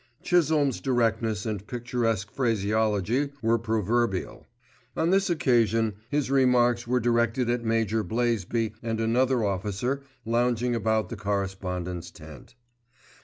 Chisholme's directness and picturesque phraseology were proverbial. On this occasion his remarks were directed at Major Blaisby and another officer lounging about the correspondent's tent.